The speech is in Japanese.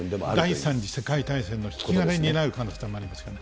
第３次世界大戦の引き金になる可能性もありますからね。